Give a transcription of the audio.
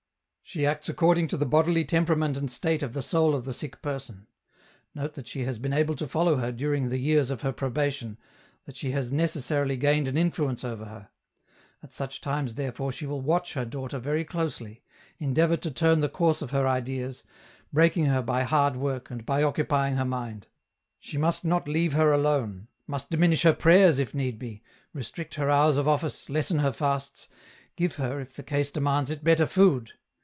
"" She acts according to the bodily temperament and state of the soul of the sick person. Note that she has been able to follow her during the years of her probation, that she has necessarily gained an influence over her ; at such times therefore she will watch her daughter very closely, en deavour to turn the course of her ideas, breaking her by hard work, and by occupying her mind ; she must not leave her alone, must diminish her prayers, if need be, restrict her hours of office, lessen her fasts, give her, if the case demands it, better food.